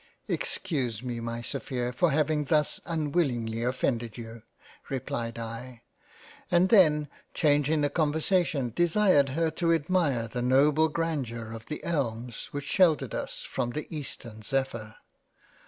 " Excuse me my Sophia for having thus unwillingly offended you —" replied I — and then changing the con versation, desired her to admire the noble Grandeur of the Elms which sheltered us from the Eastern Zephyr.